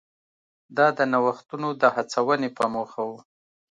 دا د نوښتونو د هڅونې په موخه و.